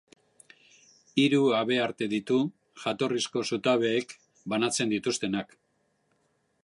Hiru habearte ditu, jatorrizko zutabeek banatzen dituztenak.